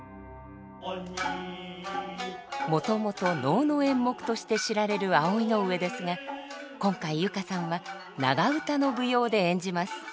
もともと能の演目として知られる「葵の上」ですが今回佑歌さんは長唄の舞踊で演じます。